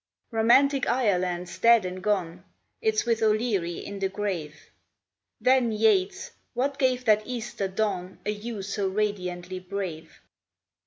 "Romantic Ireland's dead and gone, It's with O'Leary in the grave." Then, Yeats, what gave that Easter dawn A hue so radiantly brave?